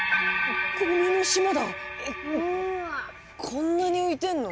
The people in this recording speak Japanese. こんなに浮いてんの！？